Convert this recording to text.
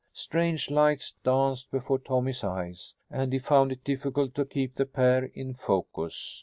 Strange lights danced before Tommy's eyes, and he found it difficult to keep the pair in focus.